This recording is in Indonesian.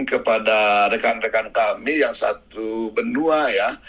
kepada rekan rekan kami yang satu benua ya